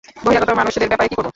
বহিরাগত মানুষদের ব্যাপারে কী করবো?